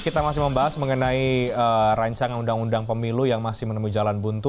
kita masih membahas mengenai rancangan undang undang pemilu yang masih menemui jalan buntu